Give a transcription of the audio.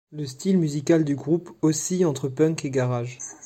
Le style musical du groupe oscille entre punk et garage.